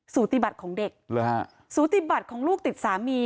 สูติบัติของเด็กสูติบัติของลูกติดสามี